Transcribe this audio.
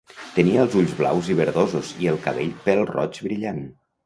Tenia els ulls blaus verdosos i el cabell pèl-roig brillant.